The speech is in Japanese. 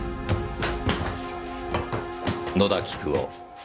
野田菊夫。